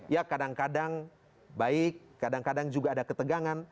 ya kadang kadang baik kadang kadang juga ada ketegangan